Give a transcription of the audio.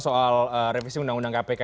soal revisi undang undang kpk